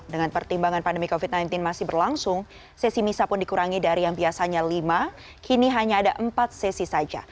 dengan pertimbangan pandemi covid sembilan belas masih berlangsung sesi misa pun dikurangi dari yang biasanya lima kini hanya ada empat sesi saja